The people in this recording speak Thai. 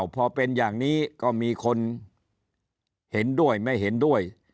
พอเป็นอย่างนี้ก็มีคนเห็นด้วยไม่เห็นด้วย